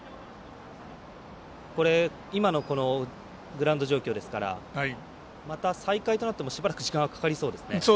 今のグラウンド状況ですからまた、再開となってもしばらく時間はかかりそうですね。